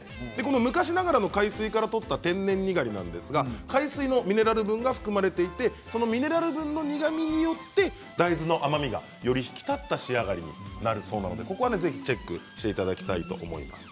昔ながらの海水から取った天然にがりなんですが海水のミネラル分が含まれていてそのミネラル分の苦みによって大豆の甘みがより引き立った仕上がりになるそうなのでここはぜひチェックしていただきたいと思います。